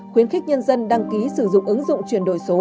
khuyến khích nhân dân đăng ký sử dụng ứng dụng chuyển đổi số